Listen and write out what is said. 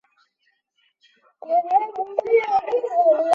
斯坦顿镇区为美国堪萨斯州渥太华县辖下的镇区。